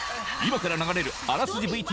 今から流れるあらすじ